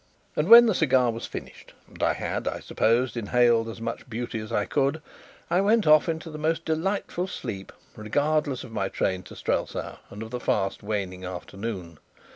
And when the cigar was finished and I had (I suppose) inhaled as much beauty as I could, I went off into the most delightful sleep, regardless of my train to Strelsau and of the fast waning afternoon.